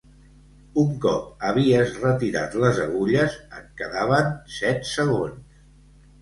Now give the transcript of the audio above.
Un cop havies retirat les agulles, et quedaven set segons